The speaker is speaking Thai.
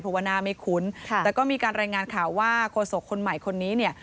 เพราะว่าหน้าไม่คุ้นค่ะแต่ก็มีการรายงานข่าวว่าโฆษกคนใหม่คนนี้เนี่ย